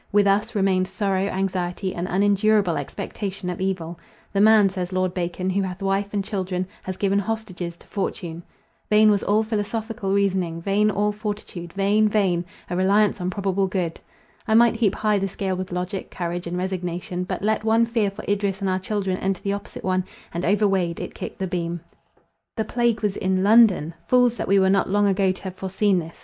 With us remained sorrow, anxiety, and unendurable expectation of evil. The man, says Lord Bacon, who hath wife and children, has given hostages to fortune. Vain was all philosophical reasoning—vain all fortitude—vain, vain, a reliance on probable good. I might heap high the scale with logic, courage, and resignation—but let one fear for Idris and our children enter the opposite one, and, over weighed, it kicked the beam. The plague was in London! Fools that we were not long ago to have foreseen this.